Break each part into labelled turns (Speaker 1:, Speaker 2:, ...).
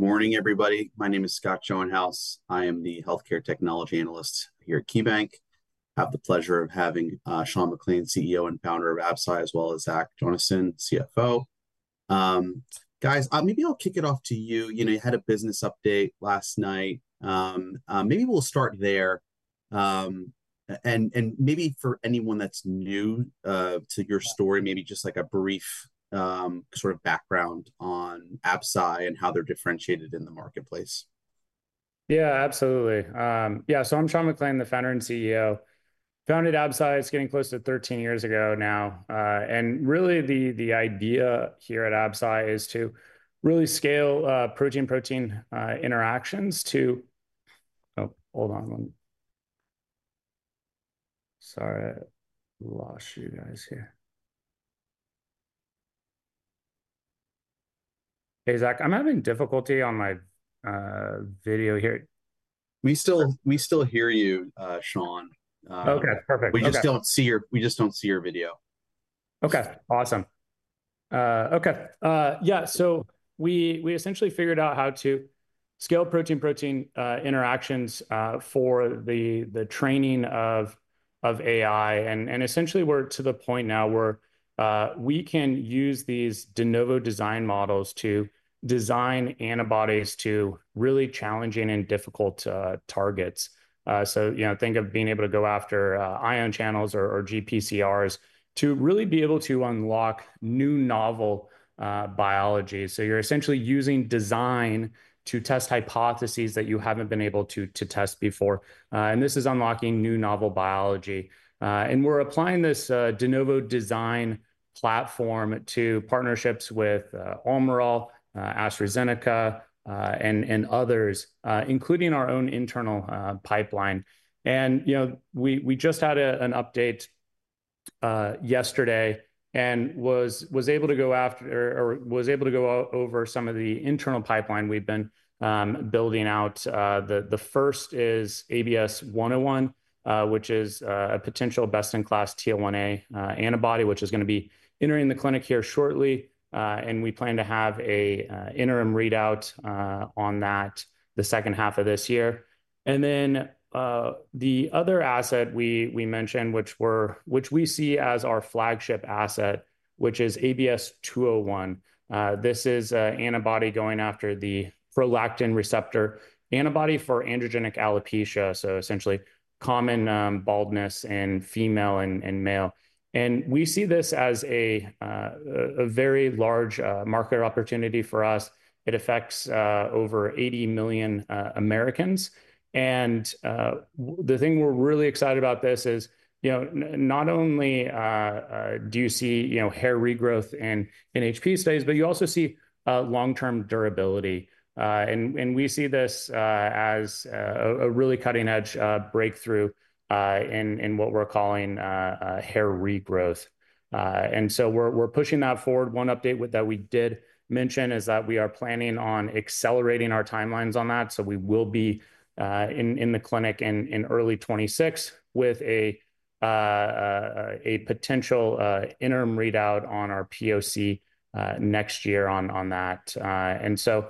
Speaker 1: Good morning, everybody. My name is Scott House. I am the Healthcare Technology Analyst here at KeyBank. I have the pleasure of having Sean McClain, CEO and founder of Absci, as well as Zach Jonasson, CFO. Guys, maybe I'll kick it off to you. You know, you had a business update last night. Maybe we'll start there. And maybe for anyone that's new to your story, maybe just like a brief, sort of background on Absci and how they're differentiated in the marketplace.
Speaker 2: Yeah, absolutely. Yeah, so I'm Sean McClain, the founder and CEO. Founded Absci, is getting close to 13 years ago now. And really the idea here at Absci is to really scale, protein-protein interactions to—oh, hold on. Sorry, I lost you guys here. Hey, Zach, I'm having difficulty on my video here.
Speaker 1: We still hear you, Sean.
Speaker 2: Okay, perfect.
Speaker 1: We just don't see your—we just don't see your video.
Speaker 2: Okay, awesome. Yeah, so we essentially figured out how to scale protein-protein interactions for the training of AI. And essentially, we're to the point now where we can use these de novo design models to design antibodies to really challenging and difficult targets. You know, think of being able to go after ion channels or GPCRs to really be able to unlock new novel biology. You're essentially using design to test hypotheses that you haven't been able to test before. This is unlocking new novel biology. We're applying this de novo design platform to partnerships with Almirall, AstraZeneca, and others, including our own internal pipeline. You know, we just had an update yesterday and was able to go over some of the internal pipeline we've been building out. The first is ABS-101, which is a potential best-in-class TL1A antibody, which is going to be entering the clinic here shortly. We plan to have an interim readout on that the second half of this year. The other asset we mentioned, which we see as our flagship asset, is ABS-201. This is an antibody going after the prolactin receptor antibody for androgenetic alopecia. Essentially, common baldness in female and male. We see this as a very large market opportunity for us. It affects over 80 million Americans. The thing we're really excited about with this is, you know, not only do you see, you know, hair regrowth in H studies, but you also see long-term durability. We see this as a really cutting-edge breakthrough in what we're calling hair regrowth. and so we're pushing that forward. One update that we did mention is that we are planning on accelerating our timelines on that. We will be in the clinic in early 2026 with a potential interim readout on our POC next year on that. and so,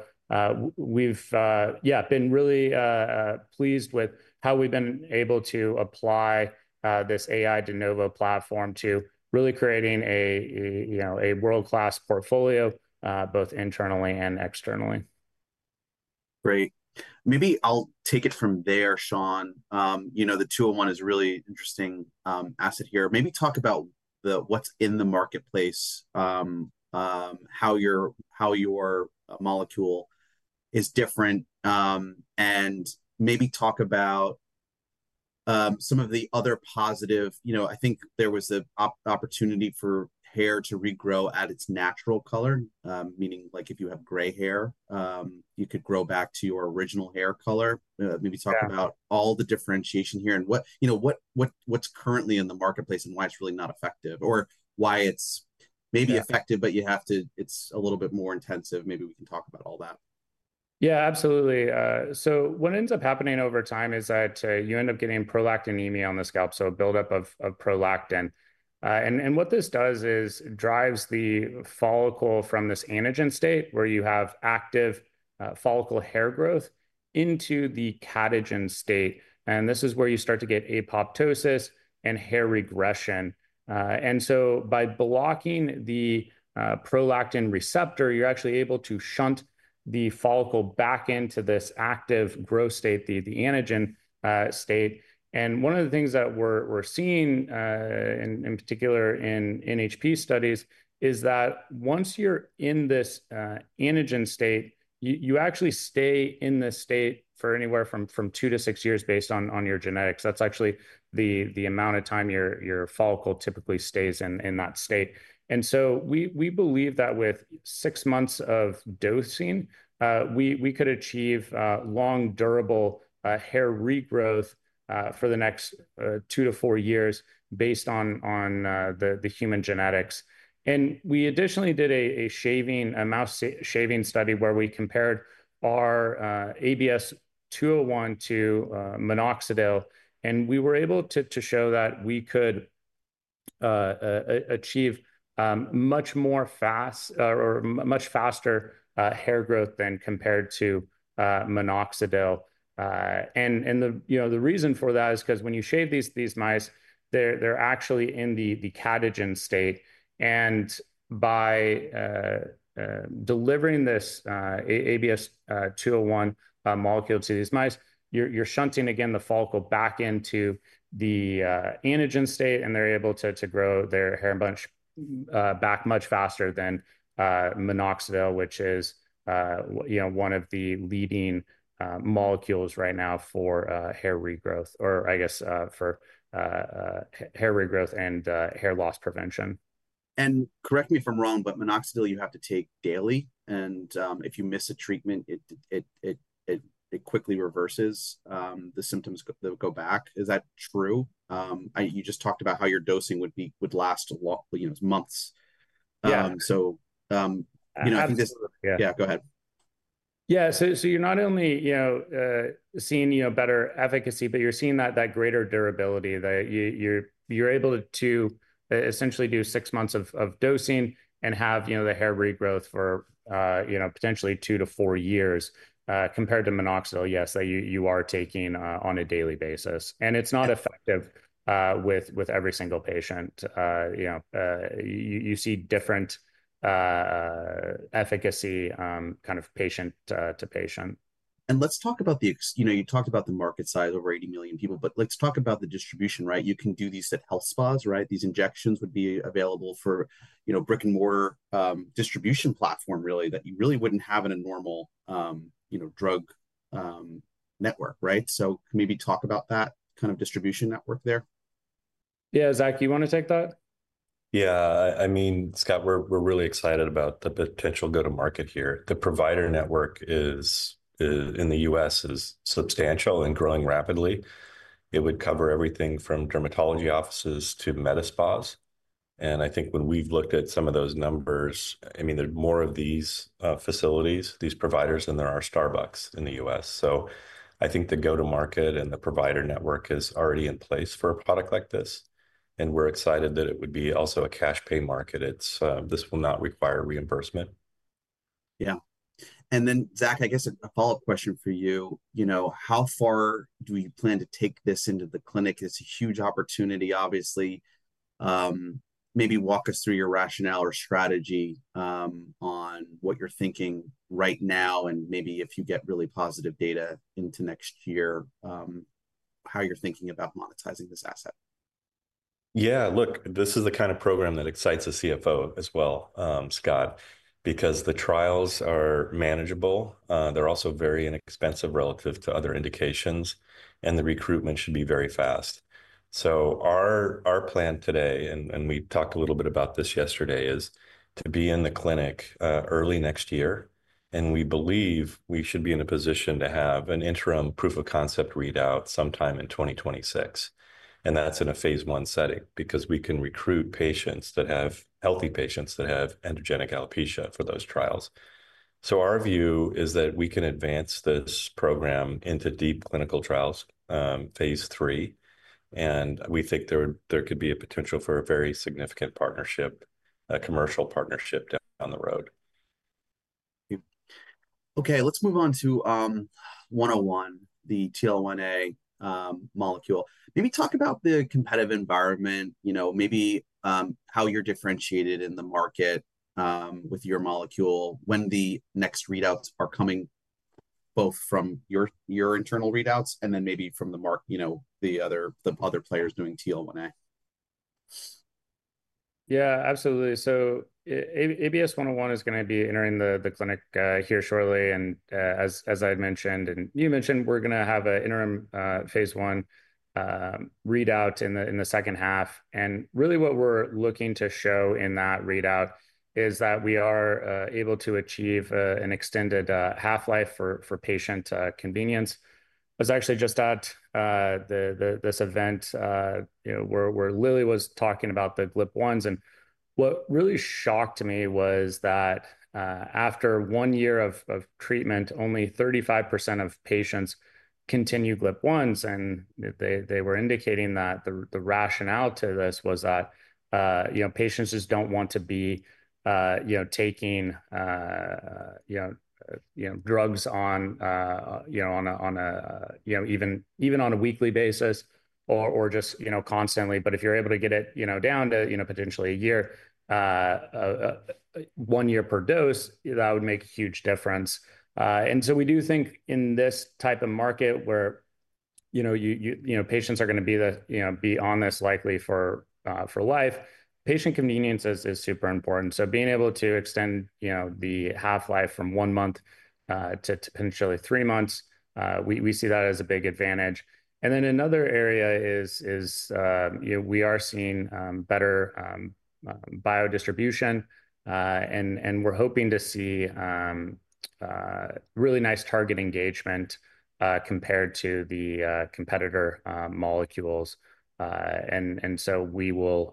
Speaker 2: we've, yeah, been really pleased with how we've been able to apply this AI de novo platform to really creating a, you know, a world-class portfolio, both internally and externally.
Speaker 1: Great. Maybe I'll take it from there, Sean. You know, the 201 is a really interesting asset here. Maybe talk about what's in the marketplace, how your molecule is different, and maybe talk about some of the other positive. You know, I think there was the opportunity for hair to regrow at its natural color, meaning, like, if you have gray hair, you could grow back to your original hair color. Maybe talk about all the differentiation here and what, you know, what what's currently in the marketplace and why it's really not effective or why it's maybe effective, but you have to, it's a little bit more intensive. Maybe we can talk about all that.
Speaker 2: Yeah, absolutely. What ends up happening over time is that you end up getting prolactinemia on the scalp, so a buildup of prolactin. What this does is drives the follicle from this anagen state where you have active follicle hair growth into the catagen state. This is where you start to get apoptosis and hair regression. By blocking the prolactin receptor, you're actually able to shunt the follicle back into this active growth state, the anagen state. One of the things that we're seeing, in particular in HPA studies, is that once you're in this anagen state, you actually stay in this state for anywhere from two to six years based on your genetics. That's actually the amount of time your follicle typically stays in that state. We believe that with six months of dosing, we could achieve long, durable hair regrowth for the next two to four years based on the human genetics. We additionally did a shaving, a mouse shaving study where we compared our ABS-201 to minoxidil. We were able to show that we could achieve much more fast, or much faster, hair growth than compared to minoxidil. The reason for that is because when you shave these mice, they're actually in the catagen state. By delivering this ABS-201 molecule to these mice, you're shunting, again, the follicle back into the anagen state, and they're able to grow their hair back much faster than minoxidil, which is, you know, one of the leading molecules right now for hair regrowth or, I guess, for hair regrowth and hair loss prevention.
Speaker 1: Correct me if I'm wrong, but minoxidil you have to take daily. If you miss a treatment, it quickly reverses, the symptoms that go back. Is that true? You just talked about how your dosing would last a lot, you know, months.
Speaker 2: Yeah.
Speaker 1: You know, I think this—yeah, go ahead.
Speaker 2: Yeah. So you're not only, you know, seeing, you know, better efficacy, but you're seeing that greater durability that you're able to essentially do six months of dosing and have, you know, the hair regrowth for, you know, potentially two to four years, compared to minoxidil, yes, that you are taking on a daily basis. And it's not effective, with every single patient. You know, you see different efficacy, kind of patient to patient.
Speaker 1: Let's talk about the—you know, you talked about the market size, over 80 million people, but let's talk about the distribution, right? You can do these at health spas, right? These injections would be available for, you know, brick-and-mortar distribution platform, really, that you really wouldn't have in a normal, you know, drug network, right? Maybe talk about that kind of distribution network there.
Speaker 2: Yeah, Zach, do you want to take that?
Speaker 3: Yeah, I mean, Scott, we're really excited about the potential go-to-market here. The provider network is, in the U.S., substantial and growing rapidly. It would cover everything from dermatology offices to med spas. I think when we've looked at some of those numbers, I mean, there's more of these facilities, these providers than there are Starbucks in the U.S. I think the go-to-market and the provider network is already in place for a product like this. We're excited that it would be also a cash-pay market. This will not require reimbursement.
Speaker 1: Yeah. And then, Zach, I guess a follow-up question for you. You know, how far do we plan to take this into the clinic? It's a huge opportunity, obviously. Maybe walk us through your rationale or strategy, on what you're thinking right now and maybe if you get really positive data into next year, how you're thinking about monetizing this asset.
Speaker 3: Yeah, look, this is the kind of program that excites a CFO as well, Scott, because the trials are manageable. They're also very inexpensive relative to other indications, and the recruitment should be very fast. Our plan today, and we talked a little bit about this yesterday, is to be in the clinic early next year. We believe we should be in a position to have an interim proof-of-concept readout sometime in 2026. That's in a phase I setting because we can recruit patients that have healthy patients that have androgenetic alopecia for those trials. Our view is that we can advance this program into deep clinical trials, phase III. We think there could be a potential for a very significant partnership, a commercial partnership down the road.
Speaker 1: Okay, let's move on to 101, the TL1A molecule. Maybe talk about the competitive environment, you know, maybe how you're differentiated in the market with your molecule, when the next readouts are coming, both from your internal readouts and then maybe from the mark, you know, the other players doing TL1A. Yeah, absolutely. ABS-101 is going to be entering the clinic here shortly. As I mentioned, and you mentioned, we're going to have an interim phase I readout in the second half. Really what we're looking to show in that readout is that we are able to achieve an extended half-life for patient convenience. I was actually just at this event where Lilly was talking about the GLP-1s. What really shocked me was that after one year of treatment, only 35% of patients continue GLP-1s. They were indicating that the rationale to this was that patients just don't want to be taking drugs on, you know, on a weekly basis or just, you know, constantly. If you're able to get it, you know, down to, you know, potentially a year, one year per dose, that would make a huge difference. We do think in this type of market where, you know, patients are going to be the, you know, be on this likely for life, patient convenience is super important. Being able to extend, you know, the half-life from one month to potentially three months, we see that as a big advantage. Another area is, you know, we are seeing better biodistribution, and we're hoping to see really nice target engagement compared to the competitor molecules. We will,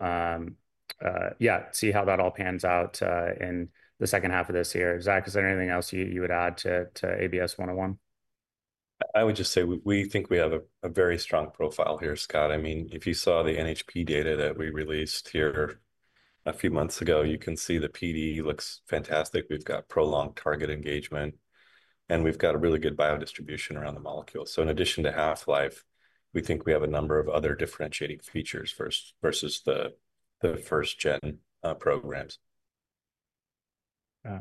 Speaker 1: yeah, see how that all pans out in the second half of this year. Zach, is there anything else you would add to ABS-101?
Speaker 3: I would just say we think we have a very strong profile here, Scott. I mean, if you saw the NHP data that we released here a few months ago, you can see the PD looks fantastic. We've got prolonged target engagement, and we've got a really good biodistribution around the molecule. In addition to half-life, we think we have a number of other differentiating features versus the first-gen programs.
Speaker 2: Yeah.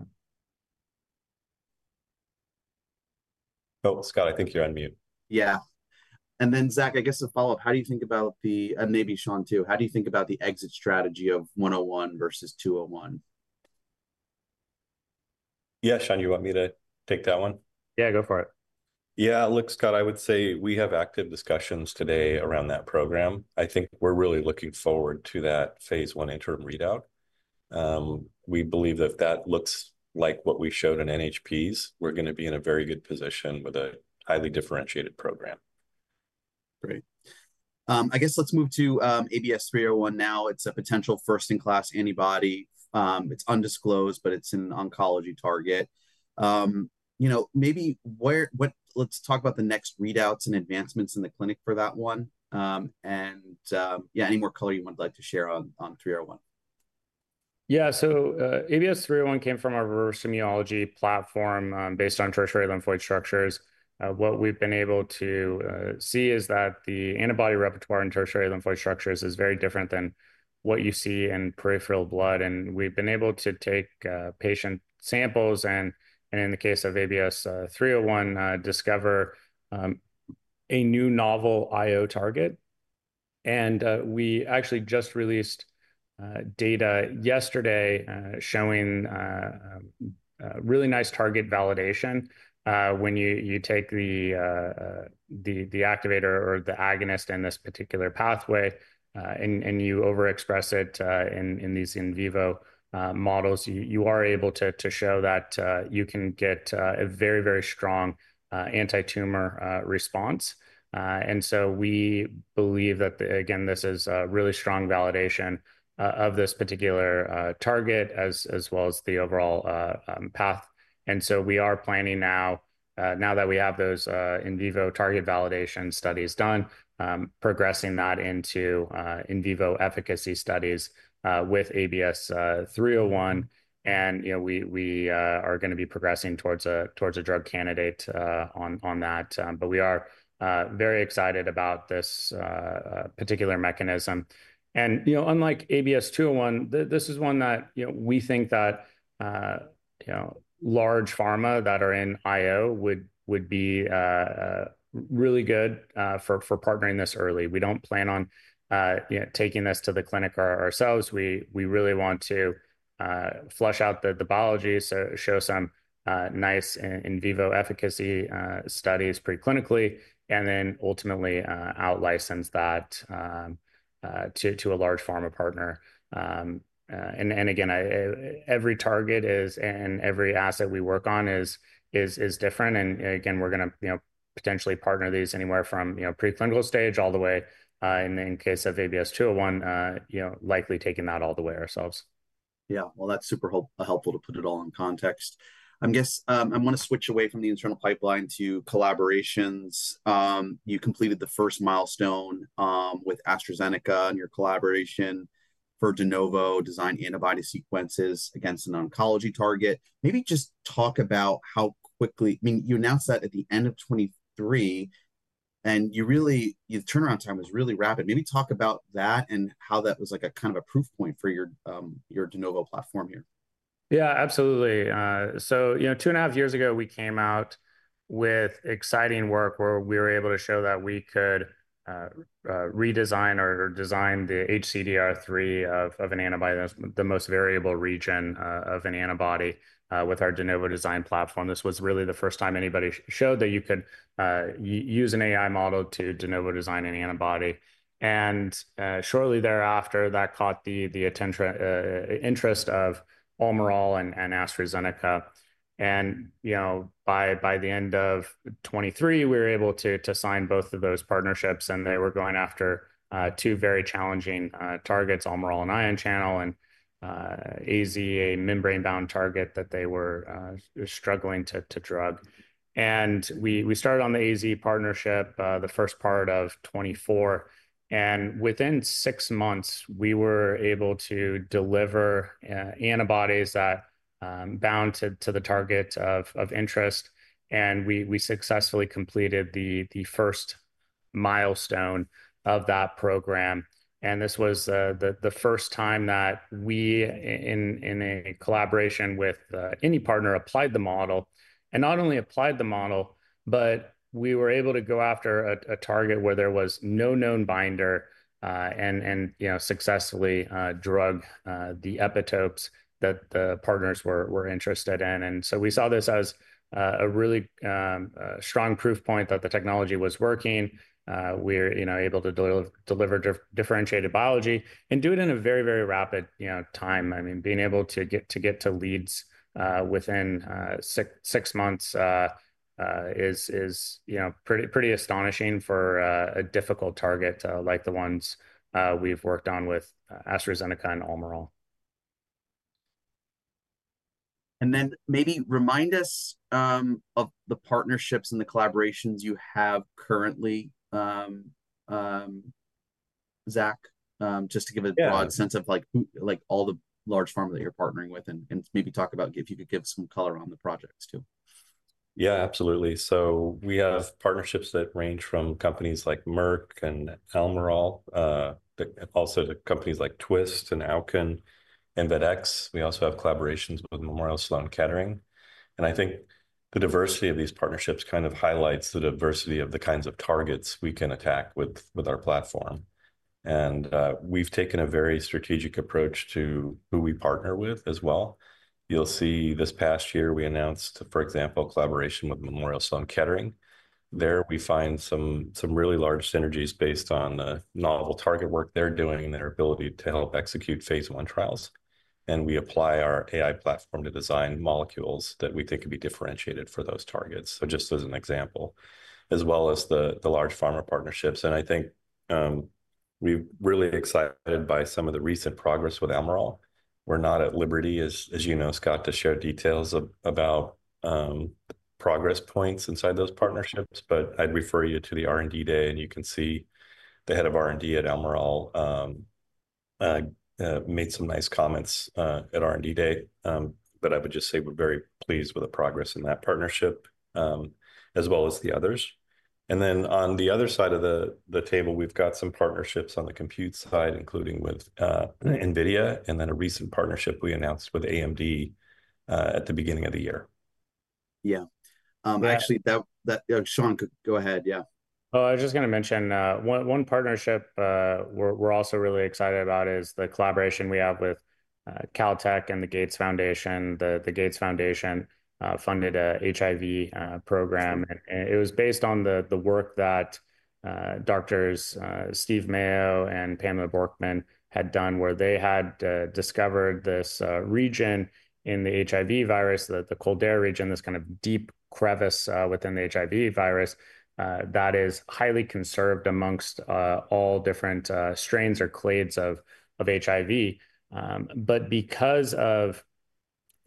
Speaker 3: Oh, Scott, I think you're on mute.
Speaker 1: Yeah. And then, Zach, I guess a follow-up. How do you think about the—and maybe Sean too—how do you think about the exit strategy of 101 versus 201?
Speaker 3: Yeah, Sean, you want me to take that one?
Speaker 2: Yeah, go for it.
Speaker 3: Yeah, look, Scott, I would say we have active discussions today around that program. I think we're really looking forward to that phase I interim readout. We believe that if that looks like what we showed in NHPs, we're going to be in a very good position with a highly differentiated program.
Speaker 1: Great. I guess let's move to ABS-301 now. It's a potential first-in-class antibody. It's undisclosed, but it's an oncology target. You know, maybe where—what—let's talk about the next readouts and advancements in the clinic for that one. And, yeah, any more color you might like to share on 301.
Speaker 2: Yeah, so, ABS-301 came from a reverse immunology platform, based on tertiary lymphoid structures. What we've been able to see is that the antibody repertoire in tertiary lymphoid structures is very different than what you see in peripheral blood. We've been able to take patient samples and, in the case of ABS-301, discover a new novel IO target. We actually just released data yesterday, showing really nice target validation. When you take the activator or the agonist in this particular pathway and you overexpress it in these in vivo models, you are able to show that you can get a very, very strong anti-tumor response. We believe that, again, this is a really strong validation of this particular target as well as the overall path. We are planning now, now that we have those in vivo target validation studies done, progressing that into in vivo efficacy studies with ABS-301. You know, we are going to be progressing towards a drug candidate on that. We are very excited about this particular mechanism. You know, unlike ABS-201, this is one that, you know, we think that, you know, large pharma that are in IO would be really good for partnering this early. We do not plan on taking this to the clinic ourselves. We really want to flush out the biology, show some nice in vivo efficacy studies preclinically, and then ultimately out-license that to a large pharma partner. Again, every target is and every asset we work on is different. Again, we're going to, you know, potentially partner these anywhere from, you know, preclinical stage all the way, in the case of ABS-201, you know, likely taking that all the way ourselves.
Speaker 1: Yeah, that is super helpful to put it all in context. I guess, I want to switch away from the internal pipeline to collaborations. You completed the first milestone with AstraZeneca in your collaboration for de novo design antibody sequences against an oncology target. Maybe just talk about how quickly—I mean, you announced that at the end of 2023, and you really—your turnaround time was really rapid. Maybe talk about that and how that was like a kind of a proof point for your de novo platform here.
Speaker 2: Yeah, absolutely. So, you know, two and a half years ago, we came out with exciting work where we were able to show that we could redesign or design the HCDR3 of an antibody, the most variable region of an antibody, with our de novo design platform. This was really the first time anybody showed that you could use an AI model to de novo design an antibody. Shortly thereafter, that caught the attention, interest of Almirall and AstraZeneca. You know, by the end of 2023, we were able to sign both of those partnerships, and they were going after two very challenging targets: Almirall, an ion channel, and AZ, a membrane-bound target that they were struggling to drug. We started on the AZ partnership the first part of 2024. Within six months, we were able to deliver antibodies that bound to the target of interest. We successfully completed the first milestone of that program. This was the first time that we, in a collaboration with any partner, applied the model. Not only applied the model, but we were able to go after a target where there was no known binder, and, you know, successfully drug the epitopes that the partners were interested in. We saw this as a really strong proof point that the technology was working. We were, you know, able to deliver differentiated biology and do it in a very, very rapid, you know, time. I mean, being able to get to leads within six months is, you know, pretty astonishing for a difficult target, like the ones we've worked on with AstraZeneca and Almirall.
Speaker 1: Maybe remind us of the partnerships and the collaborations you have currently, Zach, just to give a broad sense of, like, like all the large pharma that you're partnering with and maybe talk about if you could give some color on the projects too.
Speaker 3: Yeah, absolutely. We have partnerships that range from companies like Merck and Almirall, but also to companies like Twist and Owkin and Vertex. We also have collaborations with Memorial Sloan Kettering. I think the diversity of these partnerships kind of highlights the diversity of the kinds of targets we can attack with our platform. We've taken a very strategic approach to who we partner with as well. You'll see this past year, we announced, for example, collaboration with Memorial Sloan Kettering. There we find some really large synergies based on the novel target work they're doing and their ability to help execute phase I trials. We apply our AI platform to design molecules that we think could be differentiated for those targets. Just as an example, as well as the large pharma partnerships. I think we're really excited by some of the recent progress with Almirall. We're not at liberty, as you know, Scott, to share details about progress points inside those partnerships. I would refer you to the R&D day, and you can see the head of R&D at Almirall made some nice comments at R&D day. I would just say we're very pleased with the progress in that partnership, as well as the others. On the other side of the table, we've got some partnerships on the compute side, including with NVIDIA, and then a recent partnership we announced with AMD at the beginning of the year.
Speaker 1: Yeah, actually, Sean, go ahead. Yeah.
Speaker 2: Oh, I was just going to mention, one partnership we're also really excited about is the collaboration we have with Caltech and the Gates Foundation. The Gates Foundation funded a HIV program. And it was based on the work that doctors Steve Mayo and Pamela Bjorkman had done, where they had discovered this region in the HIV virus, the Cold Air region, this kind of deep crevice within the HIV virus, that is highly conserved amongst all different strains or clades of HIV. Because of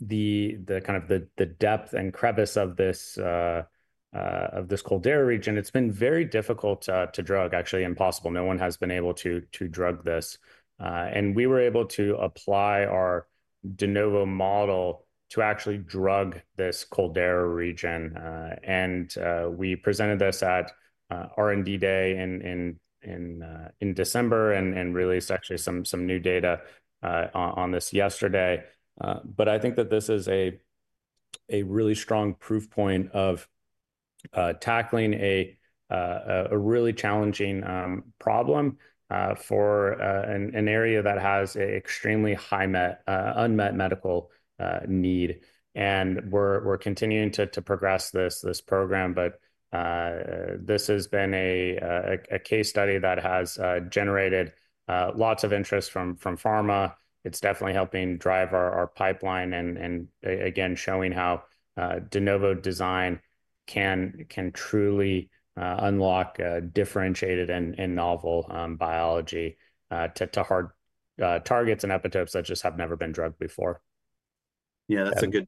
Speaker 2: the kind of the depth and crevice of this Cold Air region, it's been very difficult to drug, actually impossible. No one has been able to drug this. We were able to apply our de novo model to actually drug this Cold Air region. We presented this at R&D day in December and released actually some new data on this yesterday. I think that this is a really strong proof point of tackling a really challenging problem for an area that has an extremely high unmet medical need. We're continuing to progress this program. This has been a case study that has generated lots of interest from pharma. It's definitely helping drive our pipeline and, again, showing how de novo design can truly unlock differentiated and novel biology to hard targets and epitopes that just have never been drugged before.
Speaker 1: Yeah, that's a good,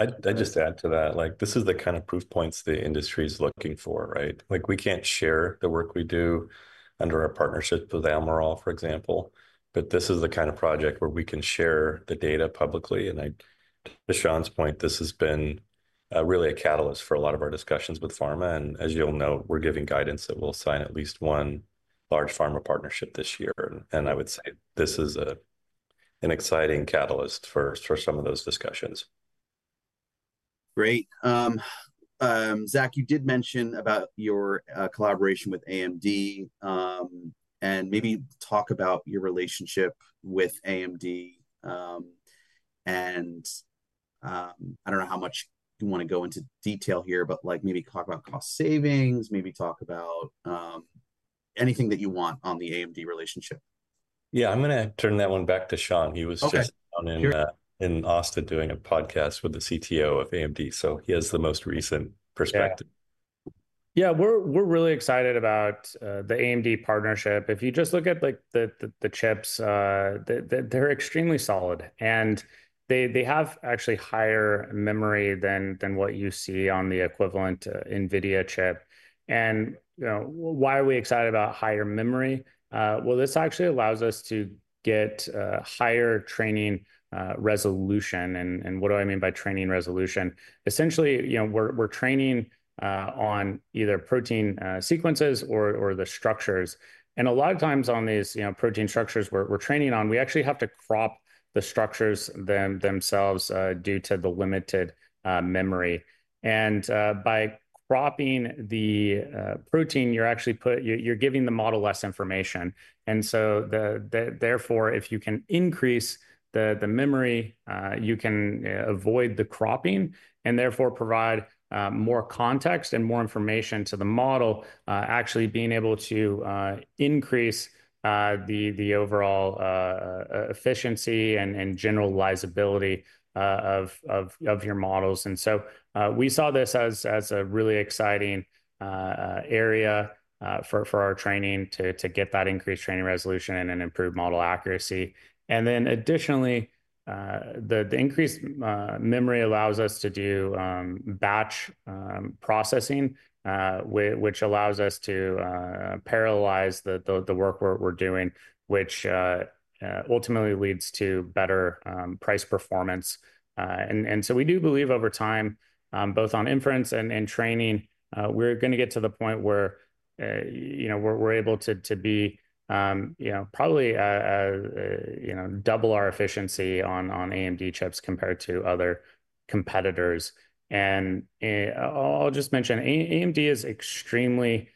Speaker 1: I'd just add to that, like, this is the kind of proof points the industry is looking for, right? Like, we can't share the work we do under our partnership with Almirall, for example, but this is the kind of project where we can share the data publicly. And I, to Sean's point, this has been really a catalyst for a lot of our discussions with pharma. As you'll know, we're giving guidance that we'll sign at least one large pharma partnership this year. I would say this is an exciting catalyst for some of those discussions. Great. Zach, you did mention about your collaboration with AMD, and maybe talk about your relationship with AMD. I don't know how much you want to go into detail here, but, like, maybe talk about cost savings, maybe talk about anything that you want on the AMD relationship.
Speaker 3: Yeah, I'm going to turn that one back to Sean. He was just in Austin doing a podcast with the CTO of AMD, so he has the most recent perspective.
Speaker 2: Yeah, we're really excited about the AMD partnership. If you just look at, like, the chips, they're extremely solid, and they have actually higher memory than what you see on the equivalent NVIDIA chip. And, you know, why are we excited about higher memory? This actually allows us to get higher training resolution. And what do I mean by training resolution? Essentially, you know, we're training on either protein sequences or the structures. A lot of times on these protein structures we're training on, we actually have to crop the structures themselves, due to the limited memory. By cropping the protein, you're actually giving the model less information. Therefore, if you can increase the memory, you can avoid the cropping and therefore provide more context and more information to the model, actually being able to increase the overall efficiency and generalizability of your models. We saw this as a really exciting area for our training to get that increased training resolution and improve model accuracy. Additionally, the increased memory allows us to do batch processing, which allows us to parallelize the work we're doing, which ultimately leads to better price performance. We do believe over time, both on inference and training, we're going to get to the point where, you know, we're able to be, you know, probably, you know, double our efficiency on AMD chips compared to other competitors. I'll just mention AMD is extremely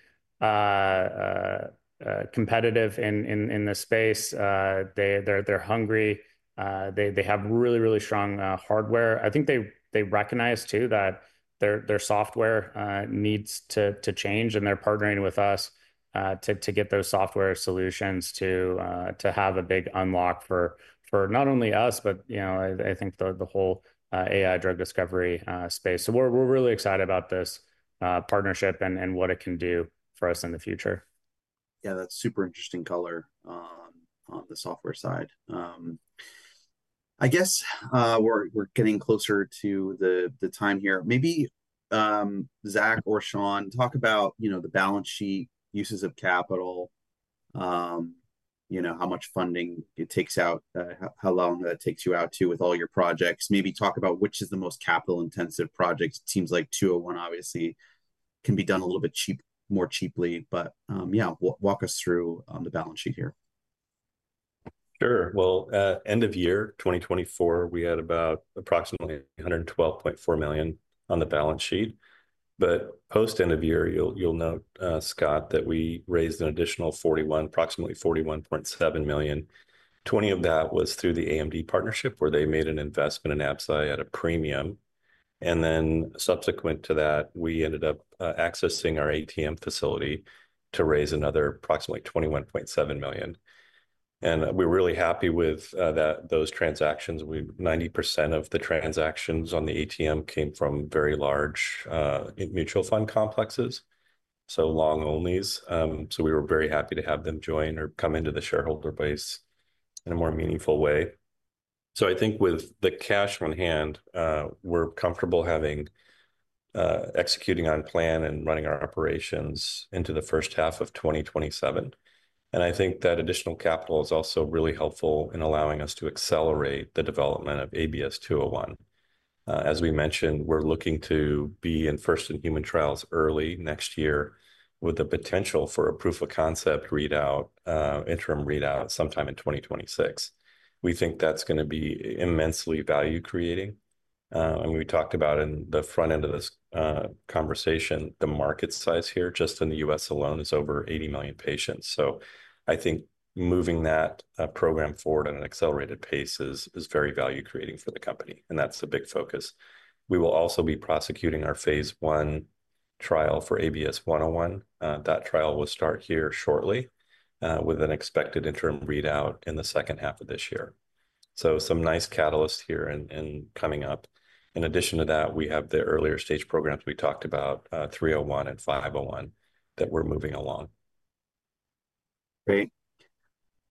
Speaker 2: competitive in the space. They're hungry. They have really, really strong hardware. I think they recognize too that their software needs to change, and they're partnering with us to get those software solutions to have a big unlock for not only us, but, you know, I think the whole AI drug discovery space. We're really excited about this partnership and what it can do for us in the future.
Speaker 1: Yeah, that's super interesting color, on the software side. I guess we're getting closer to the time here. Maybe, Zach or Sean, talk about, you know, the balance sheet uses of capital, you know, how much funding it takes out, how long that takes you out to with all your projects. Maybe talk about which is the most capital-intensive project. It seems like 201 obviously can be done a little bit more cheaply, but, yeah, walk us through on the balance sheet here.
Speaker 3: Sure. End of year 2024, we had about approximately $112.4 million on the balance sheet. Post-end of year, you'll note, Scott, that we raised an additional $41 million, approximately $41.7 million. Twenty of that was through the AMD partnership, where they made an investment in Absci at a premium. Subsequent to that, we ended up accessing our ATM facility to raise another approximately $21.7 million. We're really happy with those transactions. Ninety percent of the transactions on the ATM came from very large mutual fund complexes, so long onlys. We were very happy to have them join or come into the shareholder base in a more meaningful way. I think with the cash on hand, we're comfortable having, executing on plan and running our operations into the first half of 2027. I think that additional capital is also really helpful in allowing us to accelerate the development of ABS-201. As we mentioned, we're looking to be in first in human trials early next year with the potential for a proof of concept readout, interim readout sometime in 2026. We think that's going to be immensely value creating. We talked about in the front end of this conversation, the market size here just in the U.S. alone is over 80 million patients. I think moving that program forward at an accelerated pace is very value creating for the company. That's the big focus. We will also be prosecuting our phase I trial for ABS-101. That trial will start here shortly, with an expected interim readout in the second half of this year. Some nice catalyst here and coming up. In addition to that, we have the earlier stage programs we talked about, 301 and 501 that we're moving along.
Speaker 1: Great.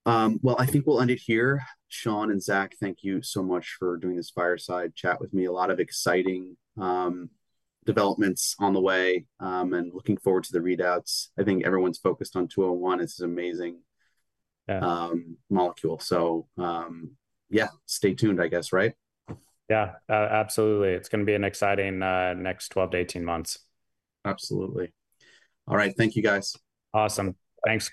Speaker 1: I think we'll end it here. Sean and Zach, thank you so much for doing this fireside chat with me. A lot of exciting developments on the way, and looking forward to the readouts. I think everyone's focused on 201. It's an amazing molecule. So, yeah, stay tuned, I guess, right?
Speaker 2: Yeah, absolutely. It's going to be an exciting, next 12 to 18 months.
Speaker 1: Absolutely. All right. Thank you, guys.
Speaker 2: Awesome. Thanks.